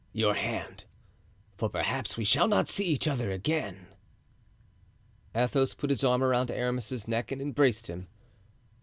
Your hand, for perhaps we shall not see each other again." Athos put his arm around Aramis's neck and embraced him.